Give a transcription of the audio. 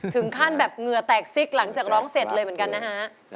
ถึงขั้นแบบเหงื่อแตกซิกหลังจากร้องเสร็จเลยเหมือนกันนะฮะ